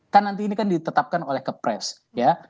kan nanti ini kan ditetapkan oleh kepres ya